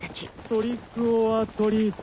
トリックオアトリート。